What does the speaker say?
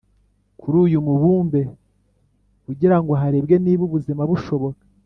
kuri uyu mubumbe kugira ngo harebwe niba ubuzima bushoboka